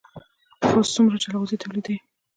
خوست څومره جلغوزي تولیدوي؟